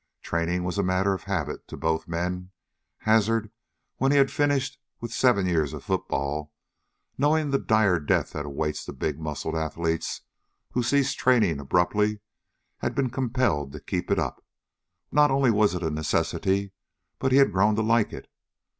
Training was a matter of habit to both men. Hazard, when he had finished with seven years of football, knowing the dire death that awaits the big muscled athlete who ceases training abruptly, had been compelled to keep it up. Not only was it a necessity, but he had grown to like it.